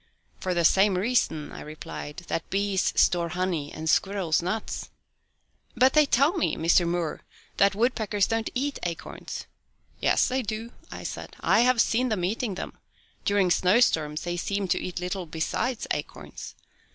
"For the same reason," I replied, "that bees store honey and squirrels nuts." "But they tell me, Mr. Muir, that woodpeckers don't eat acorns." "Yes they do," I said. "I have seen them eating them. During snowstorms they seem to eat little besides acorns.